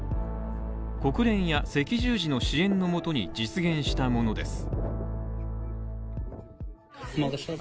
国連や赤十字の支援のもとに実現したものです。